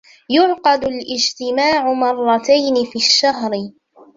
يُعقد الاجتماع مرتين في الشهر.